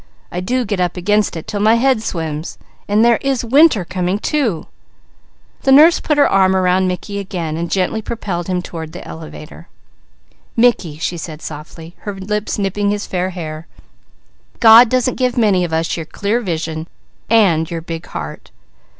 I do get up against it 'til my head swims. And there is winter coming, too!" The nurse put her arm around Mickey again, and gently propelled him toward the elevator. "Mickey," she said softly, her lips nipping his fair hair, "God doesn't give many of us your clear vision and your big heart.